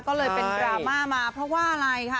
ก็เลยเป็นดราม่ามาเพราะว่าอะไรค่ะ